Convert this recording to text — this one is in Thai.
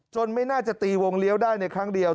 ไม่น่าจะตีวงเลี้ยวได้ในครั้งเดียว